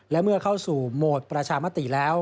และเมื่อเข้าสู่โหมดประชามติแล้ว